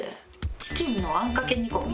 チキンのあんかけ煮込み。